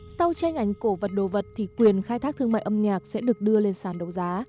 sau tranh ảnh cổ vật đồ vật thì quyền khai thác thương mại âm nhạc sẽ được đưa lên sàn đấu giá